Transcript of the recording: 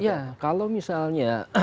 ya kalau misalnya